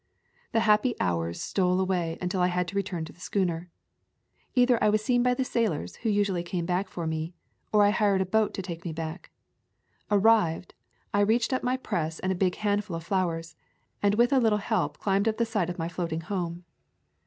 The happy hours stole away until I had to return to the schooner. Either I was seen by the sailors who usually came for me, or I hired a boat to take me back. Ar rived, I reached up my press and a big handful of flowers, and with a little help climbed up the side of my floating home.